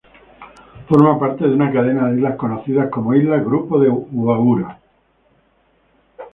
Forma parte de una cadena de islas conocidas como Islas Grupo de Huaura.